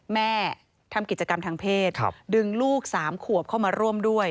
แม่ทำกิจกรรมทางเพศดึงลูก๓ขวบเข้ามาร่วมด้วย